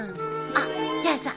あっじゃあさ